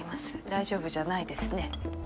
大丈夫じゃないですね。